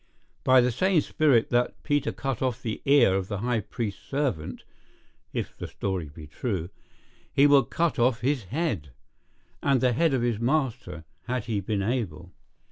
By the same spirit that Peter cut off the ear of the high priest's servant (if the story be true) he would cut off his head, and the head of his master, had he been able.